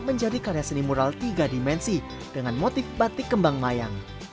menjadi karya seni mural tiga dimensi dengan motif batik kembang mayang